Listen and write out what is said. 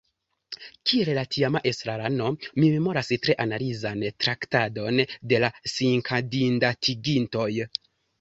Kiel la tiama estrarano mi memoras tre analizan traktadon de la sinkandidatigintoj.